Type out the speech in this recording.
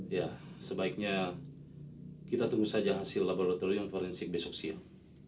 ya sebaiknya kita tunggu saja hasil laboratorium forensik besok siang